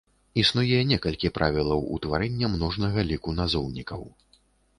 Існуе некалькі правілаў утварэння множнага ліку назоўнікаў.